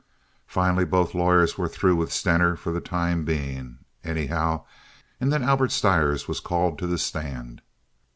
Finally, both lawyers were through with Stener for the time being, anyhow, and then Albert Stires was called to the stand.